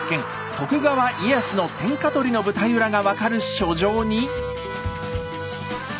徳川家康の天下取りの舞台裏が分かる書状に。